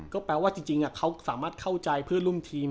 ก็แปลว่าจริงเขาสามารถเข้าใจเพื่อนร่วมทีม